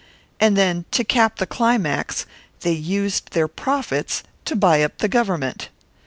And then, to cap the climax, they used their profits to buy up the Government!